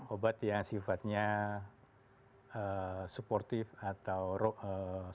obat yang sifatnya supportive atau supplement